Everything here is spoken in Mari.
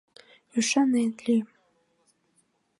Ӱшанен лий...